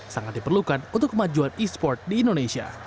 sangat diperlukan untuk kemajuan esport di indonesia